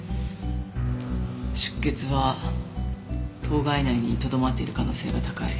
出血は頭蓋内にとどまっている可能性が高い。